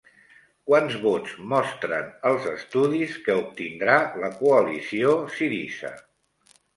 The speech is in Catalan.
Quants vots mostren els estudis que obtindrà la coalició Syriza?